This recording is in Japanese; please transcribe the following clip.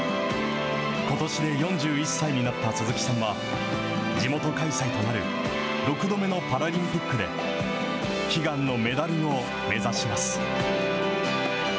ことしで４１歳になった鈴木さんは、地元開催となる６度目のパラリンピックで、悲願のメダルを目指します。